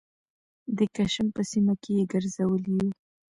د کشم په سیمه کې یې ګرځولي یوو